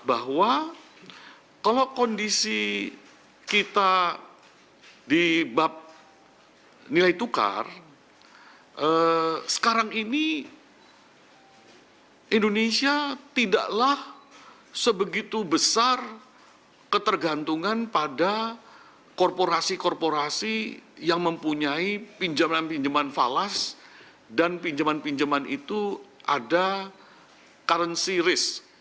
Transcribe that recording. bahwa kalau kondisi kita di bab nilai tukar sekarang ini indonesia tidaklah sebegitu besar ketergantungan pada korporasi korporasi yang mempunyai pinjaman pinjaman falas dan pinjaman pinjaman itu ada currency risk